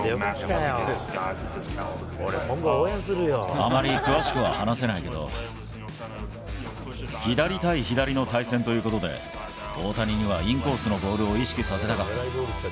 あまり詳しくは話せないけど、左対左の対戦ということで、大谷にはインコースのボールを意識させたかった。